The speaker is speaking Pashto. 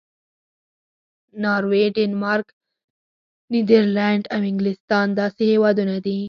ناروې، ډنمارک، نیدرلینډ او انګلستان داسې هېوادونه دي.